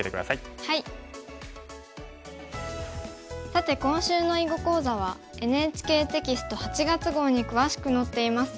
さて今週の囲碁講座はＮＨＫテキスト８月号に詳しく載っています。